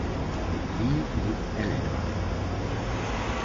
lige ud ad landevejen!